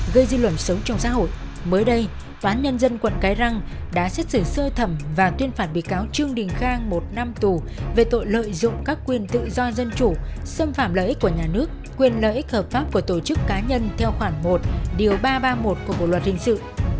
gây dư luận sống trong xã hội mới đây phán nhân dân quận cái răng đã xét xử sơ thẩm và tuyên phạt bị cáo trương đình khang một năm tù về tội lợi dụng các quyền tự do dân chủ xâm phạm lợi ích của nhà nước quyền lợi ích hợp pháp của tổ chức cá nhân theo khoản một điều ba trăm ba mươi một của bộ luật hình sự